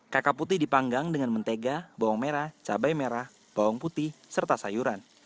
kaka putih dipanggang dengan mentega bawang merah cabai merah bawang putih serta sayuran